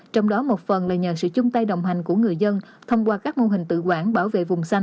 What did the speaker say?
trong đó một phần là nhờ sự chung tay đồng hành của người dân thông qua các mô hình tự quản bảo vệ vùng xanh